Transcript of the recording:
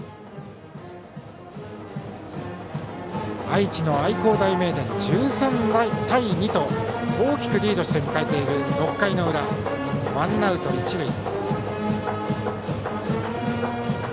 愛知の愛工大名電が１３対２と大きくリードして向かえている６回の裏ワンアウト、一塁。